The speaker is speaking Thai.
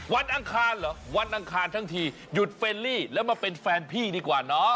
อังคารเหรอวันอังคารทั้งทีหยุดเฟลลี่แล้วมาเป็นแฟนพี่ดีกว่าเนาะ